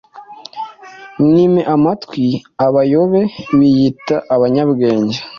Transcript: mwime amatwi abayobe biyita abanyabwenge